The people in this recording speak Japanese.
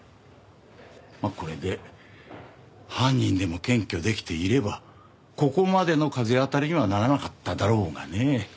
まあこれで犯人でも検挙できていればここまでの風当たりにはならなかっただろうがね。